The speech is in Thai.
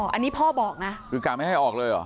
อันนี้พ่อบอกนะคือกะไม่ให้ออกเลยเหรอ